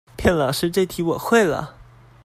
騙老師這題我會了